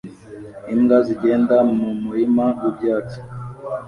Imbwa zigenda mu murima wibyatsi